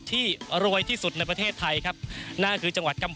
ตลอดกินตลอดเที่ยวกับเอกชุมพรนะครับ